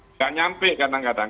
tidak nyampe kadang kadang